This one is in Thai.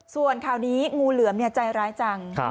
ส่วนข่าวนี้งูเหลือมใจร้ายจัง